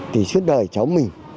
thì suốt đời cháu mình